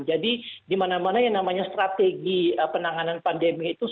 jadi di mana mana yang namanya strategi penanganan pandemi itu